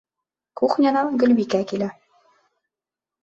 Кухнянан Гөлбикә килә.